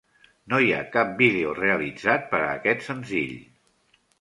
No hi ha cap vídeo realitzat per a aquest senzill.